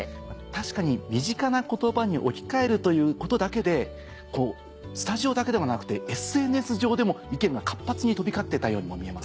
確かに身近な言葉に置き換えるということだけでスタジオだけではなくてＳＮＳ上でも意見が活発に飛び交っていたようにも見えますね。